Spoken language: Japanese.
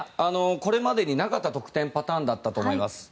これまでになかった得点パターンだと思います。